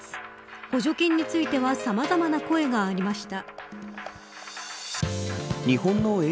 補助金についてはさまざまな声がありました。